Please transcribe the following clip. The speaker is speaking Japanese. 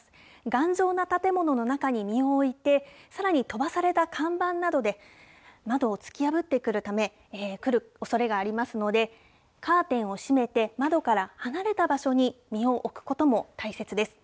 頑丈な建物の中に身を置いて、さらに飛ばされた看板などで窓を突き破ってくるおそれがありますので、カーテンを閉めて、窓から離れた場所に身を置くことも大切です。